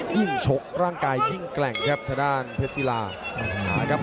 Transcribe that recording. ยิ่งชกร่างกายยิ่งแกร่งครับทะดานเพศฟิลา